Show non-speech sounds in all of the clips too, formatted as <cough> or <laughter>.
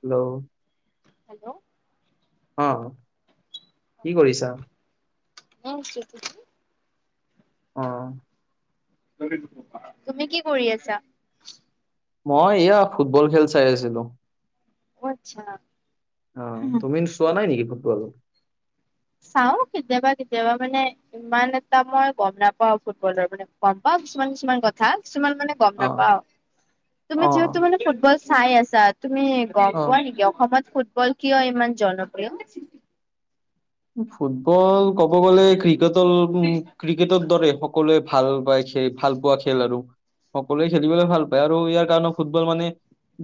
Hello. Hello. অঁ, কি কৰিছা? এনে আছোঁ। অঁ। তুমি কি কৰি আছা? মই এয়া ফুটবল খেল চাই আছিলোঁ। অঁ, আচ্ছা। অঁ, তুমি চোৱা নাই নেকি ফুটবল? চাওঁ কেতিয়াবা কেতিয়াবা মানে- ইমান এটা মই গম নাপাওঁ ফুটবলৰ মানে, গম পাওঁ কিছুমান কিছুমান কথা, কিছুমান মানে- গম অ নাপাওঁ। তুমি অ যিহেতু মানে ফুটবল চাই আছা, তুমি- গম অ পোৱা নেকি অসমত ফুটবল কিয় ইমান জনপ্ৰিয়? ফুটবল ক'ব গ'লে ক্ৰিকেটৰ উম ক্ৰিকেটৰ দৰে সকলোৱে- ভাল পায় খেল, ভাল পোৱা খেল আৰু সকলোৱে খেলিবলৈ ভাল পায় আৰু ইয়াৰ কাৰণে ফুটবল মানে-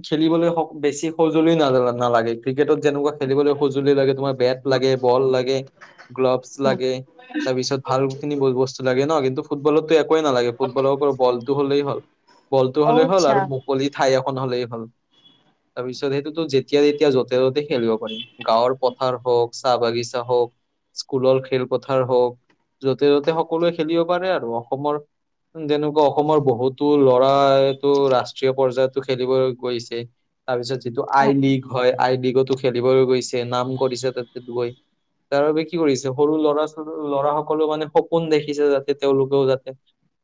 খেলিবলৈ স বেছি সজুলি না নালাগে। ক্ৰিকেটত যেনেকুৱা খেলিবলৈ সজুলি লাগে, তোমাৰ বেট লাগে, বল লাগে। গ্ল'ভছ লাগে তাৰপিছত ভালখিনি বস্তু লাগে ন। কিন্তু ফুটবলততো- একোৱেই নালাগে। ফুটবলৰ অকল বলতটো হ'লেই হ'ল, বলটো অ হ'লেই হ'ল আচ্ছা। আৰু- মুকলি ঠাই এখন হ'লেই হ'ল। তাৰপিছত সেইটোতো যেতিয়া তেতিয়া, য'তে ত'তে খেলিব পাৰিম। গাঁৱৰ পথাৰ হওঁক, চাহ বাগিচা হওঁক, স্কুলৰ খেলপথাৰ হওঁক। য'তে য'তে সকলোৱে খেলিব পাৰে আৰু অসমৰ- তেনেকুৱা অসমৰ বহুতো ল'ৰাই টো ৰাষ্ট্ৰীয় পৰ্যায়টো খেলিবলৈ গৈছে, তাৰপিছত যিটো আই অ লীগ হয় আই লীগটো খেলিবলৈ গৈছে, নাম কৰিছে তাতে গৈ। তাৰ বাবে কি কৰিছে সৰু ল'ৰা ছ ল'ৰা সকলেও মানে সপোন দেখিছে যাতে তেওঁলোকেও যাতে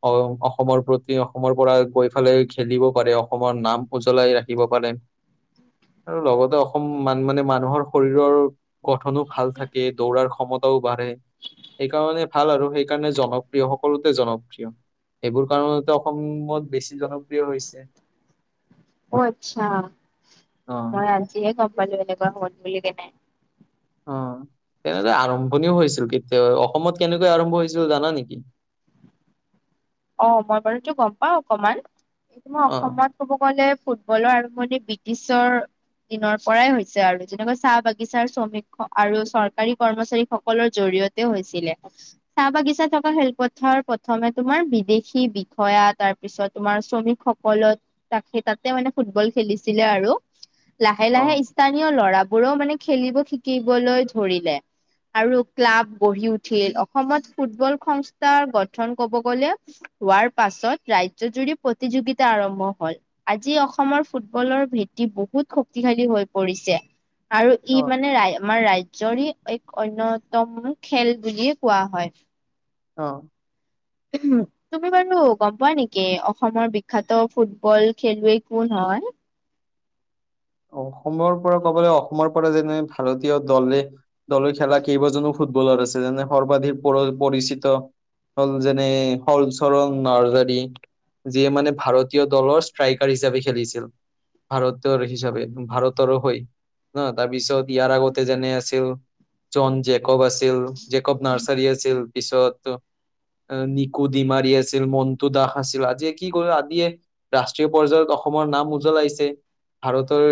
অ অসমৰ প্ৰতি অসমৰ পৰা গৈ ফালে খেলিব পাৰে, অসমৰ নাম উজ্বলাই ৰাখিব পাৰে। আৰু লগতে অসম মান মানে মানুহৰ শৰীৰৰ গঠনো ভাল থাকে দৌৰাৰ ক্ষমতাও বাঢ়ে। সেইকাৰণে ভাল আৰু সেইকাৰণে জনপ্ৰিয় সকলোতে জনপ্ৰিয়। সেইবোৰ কাৰণতে অসমত বেছি জনপ্ৰিয় হৈছে। অঁ আচ্ছা, অ মই আজিহে গম পালো এনেকুৱা হ বুলি কেনে। অ তেনেদৰে আৰম্ভণিও হৈছিল কেতিয়াবাই, অসমত কেনেকৈ আৰম্ভ হৈছিল জানা নেকি? অ মই বাৰুটো গম পাও অকমান, এইটো মই অ অসমত ক'ব গ'লে ফুটবলৰ আৰম্ভনি ব্ৰিটিছৰ দিনৰ পৰাই হৈছে আৰু, যেনেকুৱা চাহ বাগিচাৰ শ্ৰমিক আৰু চৰকাৰী কৰ্মচাৰী সকলৰ জৰিয়ত তে হৈছিলে, চাহ বাগিচা থকা খেলপথাৰ প্ৰথমে তোমাৰ বি দেশী বিষয়া তাৰপিছত তোমাৰ শ্ৰমিকসকলত তাকেই তাতে মানে ফুটবল খেলিছিলে আৰু, লাহে অ লাহে স্থানীয় লৰাবোৰেও মানে খেলিব শিকিবলৈ ধৰিলে। আৰু ক্লাব গঢ়ি উঠিল, অসমত ফুটবল সংস্থাৰ গঠন কব গ'লে হোৱাৰ পাছত ৰাজ্যজুৰি প্ৰতিযোগিতা আৰম্ভ হল। আজি অসমৰ ফুটবলৰ ভেটি বহুত শক্তিশালী হৈ পৰিছে। আৰু ই অ মানে, ৰাই আমাৰ ৰাজ জৰি এক অন্যতম খেল বুলি কোৱা হয়। অঁ। উম। তুমি বাৰু গম পোৱা নেকি অসমৰ বিখ্যাত ফুটবল খেলুৱৈ কোন হয়? অসমৰ পৰা ক'বলে অসমৰ পৰা যেনে ভাৰতীয় দলে দলে খেলা কেইবাজনো ফুটবলাৰ আছে, যেনে সৰ্বাধিক পৰ পৰিচিত হ'ল যেনে হ'ল চৰণ নাৰ্জাৰী যিয়ে মানে ভাৰতীয় দলৰ ষ্ট্ৰাইকাৰ হিচাপে খেলিছিল, ভাৰতৰ হিচাপে ভাৰতৰো হয় হা, তাৰপিছত ইয়াৰ আগতে যেনে আছিল জন জেক। জেকব আছিল, জেকব নাৰ্চাৰী আছিল পিছত নিকু দিমাৰী আছিল, মন্টু দাস আছিল। আজিয় কি, আদিয়ে ৰাষ্ট্ৰীয় পৰ্যায়ত অসমৰ নাম উজ্বলাইছে, ভাৰতৰ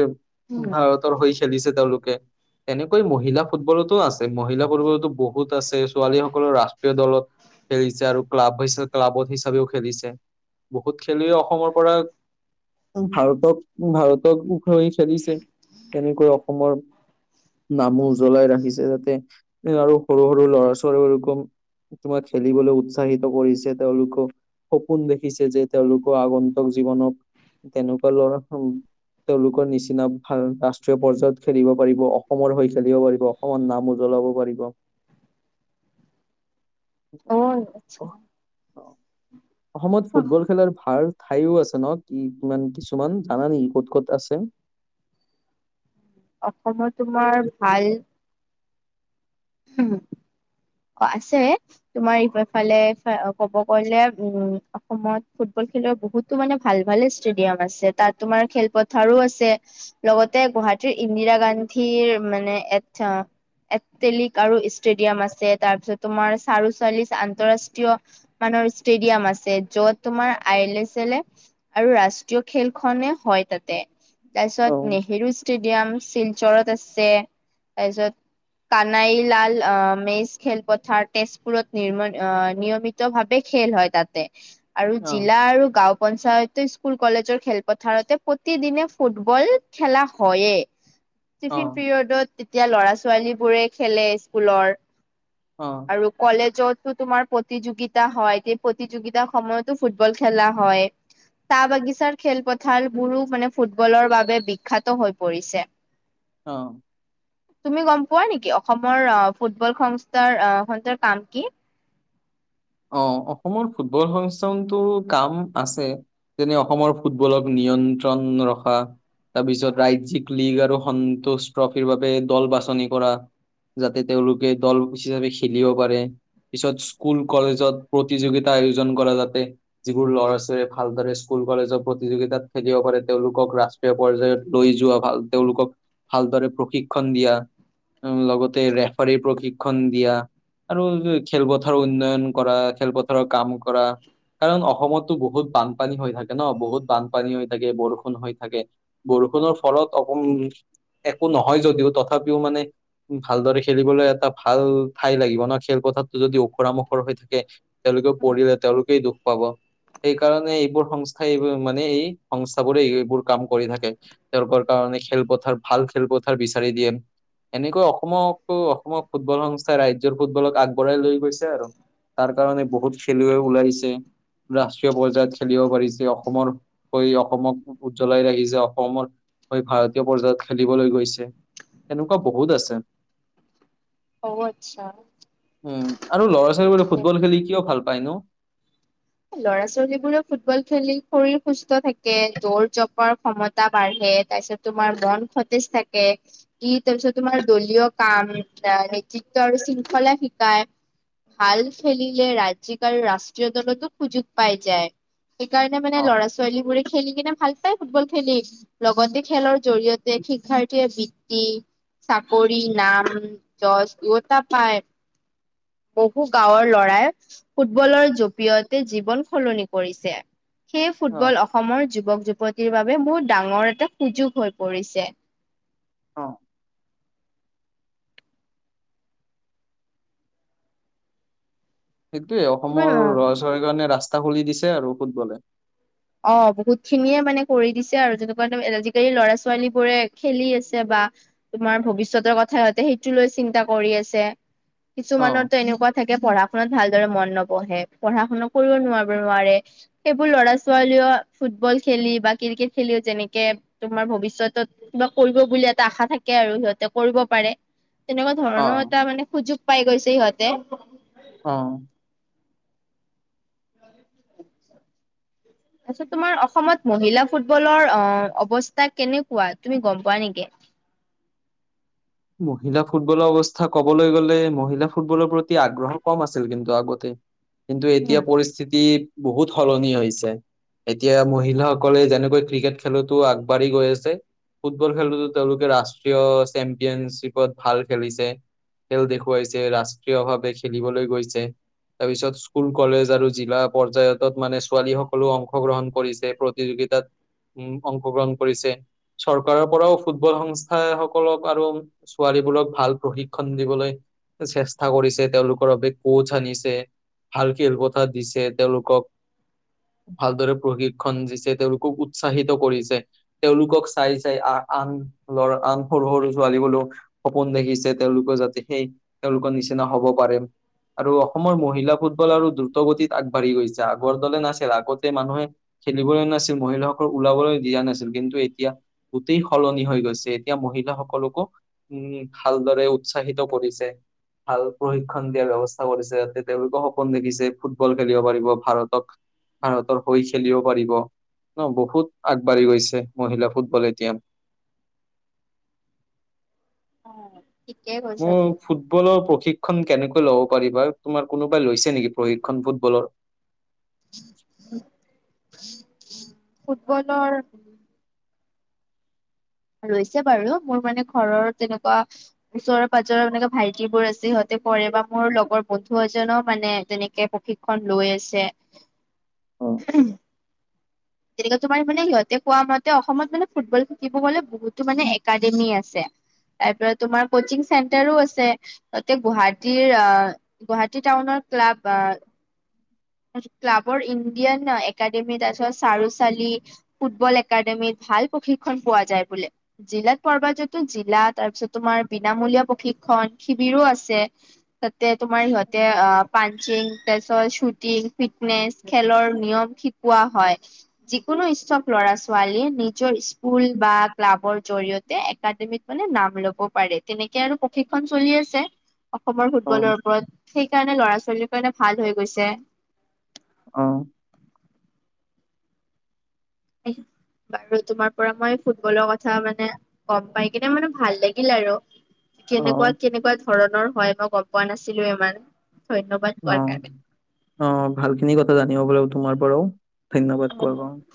ভাৰত তৰ হৈ খেলিছে তেওঁলোকে। তেনেকৈ মহিলা ফুটবলতো আছে, মহিলা ফুটবলতো বহুত আছে, ছোৱালীসকলৰ ৰাষ্ট্ৰীয় দলত খেলিছে আৰু ক্লাব ভাইছে, ক্লাবত হিচাপেও খেলিছে। বহুত খেলুৱৈ অসমৰ পৰা ভাৰতক, ভাৰত উখই ফেলিছে কেনেকৈ অসমৰ নামো উজ্বলাই ৰাখিছে, যাতে আৰু সৰু, সৰু ল'ৰা ছোৱালী <unintelligible> তোমাক খেলিবলৈ উৎসাহিত কৰিছে তেওঁলোকক সপোন দেখিছে যে তেওঁলোকো আগন্তুক জীৱনক তেনেকুৱা ল'ৰা তেওঁলোকৰ নিচিনা ভাল ৰাষ্ট্ৰীয় পৰ্যায়ত খেলিব পাৰিব, অসমৰ হৈ খেলিব পাৰিব। অসমৰ নাম উজ্বলাব পাৰিব। অঁ আচ্ছা। অ- অসমত ফুটবল খেলাৰ ভাল ঠাইও আছে ন কি কিমান কিছুমান জানা নেকি ক'ত ক'ত আছে অসমত তোমাৰ ভাল হুম। অ, আছে। তোমাৰ এইফালে ক'ব গলে উম, অসমত ফুটবল খেলৰ বহুত ত, মানে ভাল, ভাল ষ্টেডিয়াম আছে তাত তোমাৰ খেলপথাৰো আছে। লগতে গুৱাহাটীৰ ইন্দিৰা গান্ধীৰ মানে এটা এথলেটিক আৰু ষ্টেডিয়াম আছে। তাৰপিছত তোমাৰ চাৰোচল্লিছ আন্তঃৰাষ্ট্ৰীয় মানৰ ষ্টেডিয়াম আছে, য'ত তোমাৰ আই এল এছ এল এ- আৰু ৰাষ্ট্ৰীয় খেল খনে হয় তাতে অ তাৰপিছত নেহেৰু ষ্টেডিয়াম শিলচৰত আছে, তাৰপিছত কানাইলাল অ মেচ খেলপথাৰ তেজপুৰত নিৰ্ম-নিয়মিত ভাৱে খেল হয় তাতে। আৰু অ জিলা আৰু গাঁও পঞ্চায়ত স্কুল কলেজৰ খেলপথাৰতে প্ৰতিদিনে ফুটবল খেলা হয়ে। <inaudible> টিফিন পিৰিয়ডত তেতিয়া ল'ৰা-ছোৱালী বোৰে খেলে স্কুলৰ অ'। আৰু কলেজতো তোমাৰ প্ৰতিযোগিতা হয়। সেই প্ৰতিযোগিতাৰ সময়তো ফুটবল খেলা হয়। চাহ বাগিচাৰ খেলপথাৰ বোৰো মানে ফুটবলৰ বাবে বিখ্যাত হৈ পৰিছে। অ'। তুমি গম পোৱা নেকি অসমৰ ফুটবল সংস্থাৰ অ সংস্থাৰ কাম কি অ, অসমৰ ফুটবল সংস্থানটো কাম আছে। যেনে অসমৰ ফুটবলক নিয়ন্ত্ৰণ ৰখা। তাৰপিছত ৰাজ্যিক লীগ আৰু সন্তোষ ট্ৰফিৰ বাবে দল বাছনি কৰা। যাতে তেওঁলোকে দল হিচাপে খেলিব পাৰে পিছত স্কুল কলেজত প্ৰতিযোগিতা আয়োজন কৰে যাতে যিবোৰ ল'ৰা ছোৱালীয়ে ভালদৰে স্কুল কলেজৰ প্ৰতিযোগিতাত খেলিব কৰে তেওঁলোকক ৰা ৰাষ্ট্ৰীয় পৰ্যায়ত লৈ যোৱা ভাল তেওঁলোকক ভালদৰে প্ৰশিক্ষণ দিয়া লগতে ৰেফাৰী প্ৰশিক্ষণ দিয়া আৰু খেলপথাৰ উন্নয়ন কৰা খেলপথাৰৰ কাম কৰা কাৰণ অসমতো বহুত বানপানী হৈ থাকে ন বহুত বানপানী হৈ থাকে বৰষুণ হৈ থাকে বৰষুণৰ ফলত অক একো নহয় যদিও তথাপিও মানে ভালদৰে খেলিবলৈ এটা ভাল ঠাই লাগিব ন খেলপথাৰতটো যদি ওখুৰামুখ মুখৰ হৈ থাকে তেওঁলোকেও পৰিলে তেওঁলোকেই দুখ পাব সেইকাৰণে এইবোৰ সংস্থাই এইবোৰ মানে এই সংস্থাবোৰে এইবোৰ কাম কৰি থাকে তেওঁলোকৰ কাৰণে খেলপথাৰ ভাল খেলপথাৰ বিচাৰি দিয়ে এনেকৈ অসমক অসমক ফুটবল সংস্থাই ৰাজ্যৰ ফুটবলক আগবঢ়াই লৈ গৈছে আৰু তাৰ কাৰণে বহুত খেলুৱৈ ওলাইছে ৰাষ্ট্ৰীয় পৰ্যায়ত খেলিব পাৰিছে অসমৰ হৈ অসমক উজ্জ্বলাই ৰাখিছে অসমৰ হৈ ভাৰতীয় পৰ্যায়ত খেলিবলৈ গৈছে তেনেকুৱা বহুত আছে অ আচ্ছা উম আৰু ল'ৰা ছোৱালীবোৰে ফুটবল খেলি কিয় ভাল পায় নো ল'ৰা ছোৱালী বোৰে ফুটবল খেলি শৰীৰ সুস্থ থাকে দৌৰ জপৰ ক্ষমতা বাঢ়ে তাৰ পিছত তোমাৰ মন সতেজ থাকে কি তাৰপিছত তোমাৰ দলীয় কাম নেতৃত্ব আৰু শৃংখলা শিকায় ভাল খেলিলে ৰাজ্যিক আৰু ৰাষ্ট্ৰীয় দলটো সুযোগ পাই যায়। সেইকাৰণে মানে অ লৰা- ছোৱালী বোৰে খেলি কিনে ভাল পায় ফুটবল খেলি। লগতে খেলৰ জৰিয়তে শিক্ষাৰ্থীয়ে বৃত্তি চাকৰি, নাম যছ দুটা পায়। বহু গাঁৱৰ ল'ৰাই ফুটবলৰ জৰিয়তে জীৱন সলনি কৰিছে। সেই অ ফুটবল অসমৰ যুৱক- যুৱতীৰ বাবে বহুত ডাঙৰ এটা সুযোগ হৈ পৰিছে। অ। সেইটোৱে তুমি অসমৰ ল'ৰা- ছোৱালী কাৰণে ৰাস্তা খুলি দিছে আৰু ফুটবলে। অ, বহুত খিনিয়ে মানে কৰি দিছে আৰু যেনেকুৱা একদম আজিকালি ল'ৰা- ছোৱালী বোৰে খেলি আছে বা তোমাৰ ভৱিষ্যতৰ কথাহতে, সেইটো লৈ চিন্তা কৰি আছে। অ। কিছুমানৰো এনেকুৱা থাকে। পঢ়া শুনাত ভালদৰে মন নবহে পঢ়া শুনা কৰিব নোৱাৰ- নোৱাৰে এইবোৰ ল'ৰা ছ ছোৱালীও ফুটবল খেলি বা ক্ৰিকেট খেলিও যেনেকে তোমাৰ ভৱিষ্যতত কিবা কৰিব বুলি এটা আশা থাকে আৰু সিহঁতে কৰিব পাৰে। তেনেকুৱা অ। ধৰনৰ এটা মানে সুযোগ পাই গৈছে সিহঁতে। অ। <unintelligible> তোমাৰ অসমত মহিলা ফুটবলৰ অ, অৱস্থা কেনেকুৱা তুমি গ'ম পোৱা নেকি? মহিলা ফুটবলৰ অৱস্থা ক'বলৈ গ'লে মহিলা ফুটবলৰ প্ৰতি আগ্ৰহ কম আছিল কিন্তু আগতে। কিন্তু এতিয়া উম পৰিস্থিতি বহুত সলনি হৈছে। এতিয়া মহিলাসকলে যেনেকৈ ক্ৰিকেট খেলতো আগবাঢ়ি গৈ আছে। ফুটবল খেলোতো তেওঁলোকে ৰাষ্ট্ৰীয় চেম্পিয়নশ্বিপত ভাল খেলিছে। খেল দেখুৱাইছে ৰাষ্ট্ৰীয় ভাৱে খেলিবলৈ গৈছে। তাৰপিছত ইস্কুল কলেজ আৰু জিলা পৰ্যায়তত মানে ছোৱালী সকলেও অংশগ্ৰহণ কৰিছে। প্ৰতিযোগিতাত উম, অংশগ্ৰহণ কৰিছে। চৰকাৰৰ পৰাও ফুটবল সংস্থাসকলক আৰু ছোৱালীবোৰক ভাল প্ৰশিক্ষণ দিবলৈ চেষ্টা কৰিছে। তেওঁলোকৰ বাবে কোচ আনিছে। ভাল খেলপথাৰ দিছে তেওঁলোকক। ভালদৰে প্ৰক্ষিশন দিছে, তেওঁলোকক উৎসাহিত কৰিছে। তেওঁলোকক চাই চাই আন- আন ল'ৰা আন সৰু- সৰু ছোৱালীবোৰে সপোন দেখিছে, তেওঁলোকে যাতে সেই তেওঁলোকৰ নিচিনা হ'ব পাৰে। আৰু অসমৰ মহিলা ফুটবল আৰু দ্ৰুত গতিত আগবাঢ়ি গৈছে। আগৰ দলে নাছিল আগতে মানুহে খেলিবলৈ নাছিল মহিলাসকল ওলাবলৈ দিয়া নাছিল। কিন্তু এতিয়া গোটেই সলনি হৈ গৈছে। এতিয়া মহিলাসকলক কো ভালদৰে উসাৎহিত কৰিছে। ভাল প্ৰশিক্ষণ দিয়াৰ ব্যৱস্থা কৰিছে। যাতে তেওঁলোকে সপোন দেখিছে ফুটবল খেলিব পাৰিব। ভাৰতক ভাৰতৰ হৈ খেলিব পাৰিব ন, বহুত আগবাঢ়ি গৈছে। মহিলা ফুটবল এতিয়া ঠিকে কৈছা। মোৰ ফুটবলৰ প্ৰশিক্ষণ কেনেকৈ ল'ব পাৰিবা, তোমাৰ কোনোবাই লৈছে নেকি প্ৰশিক্ষণ ফুটবলৰ? ফুটবলৰ লৈছে বাৰু মোৰ মানে ঘৰৰ তেনেকুৱা ওচৰৰ পাঁজৰ এনেকে ভাইটিবোৰ আছে। সিহঁতে পৰে বা মোৰ লগৰ বন্ধু এজনও মানে তেনেকে প্ৰশিক্ষ লৈ আছে। <inaudible> অ উম। তেনেকে তোমাৰ মানে সিহঁতে কোৱা মতে, অসমত মানে ফুটবল খেলিব গ'লে বহুতো মানে একাডেমি আছে। তাৰপিছত তোমাৰ কচিং চেণ্টাৰো আছে। তাতে গুৱাহাটীৰ আহ গুৱাহাটী টাউনৰ ক্লাব ক্লাবৰ ইণ্ডিয়ান একাডেমি, তাৰপিছত চাৰু চালি ফুটবল একাডেমীত ভাল প্ৰশিক্ষণ পোৱা যায় বোলে। জিলাত পৰ্বাজত জিলা, তাৰপিছত তোমাৰ বিনামূলীয়া প্ৰশিক্ষণ শিবিৰো আছে। তাতে তোমাৰ সিহঁতে অ পাানচিং, তাপিছত তেচ শ্বুট টিং ফিটনেচ খেলৰ নিয়ম শিকোৱা হয়। যিকোনো ইচ্ছুক ল'ৰা ছোৱালী নিজৰ স্কুল বা ক্লাবৰ জৰিয়তে একাডেমিত মানে নাম ল'ব পাৰে, তেনেকে আৰু প্ৰশিক্ষন চলি আছে। অসমৰ অ ফুটবলৰ ওপৰত, সেইকাৰণে ল'ৰা ছোৱালীৰ কাৰণে ভাল হৈ গৈছে। অ'। বাৰু তোমাৰ পৰা মই ফুটবলৰ কথা মানে গ'ম পাই কিনে মানে ভাল লাগিল আৰু। কেনেকুৱা কেনেকুৱা ধৰণৰ হয় মই গ'ম পোৱা নাছিলো ইমান, ধন্যবাদ অ কোৱাৰ কাৰণে। অ', ভালে খিনি কথা জানিব পাৰিলো তোমাৰ পৰাও ধন্যবাদ কাৰণে। কোৱা অ কাৰনে।